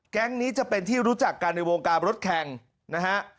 แก๊งนี้จะเป็นที่รู้จักกันในวงการรถแข่งนะฮะ